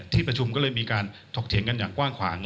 ที่ประชุมก็เลยมีการถกเถียงกันอย่างกว้างขวาง